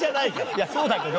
いやそうだけど。